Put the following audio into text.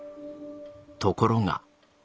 ところが。